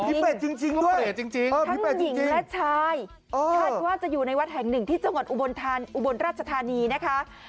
ผีเปรตจริงทั้งหญิงและชายถ้าอยู่ในวัดแห่งหนึ่งที่จังหวัดอุบรณราชธานีนะคะ